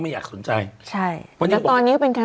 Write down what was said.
ไม่อยากสนใจใช่แล้วตอนนี้ก็เป็นการ